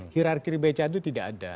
hirarki beca itu tidak ada